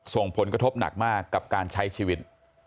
ส่งผลกระทบหนักมากกับการใช้ชีวิต